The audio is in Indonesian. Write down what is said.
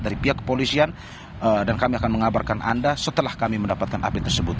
dari pihak kepolisian dan kami akan mengabarkan anda setelah kami mendapatkan update tersebut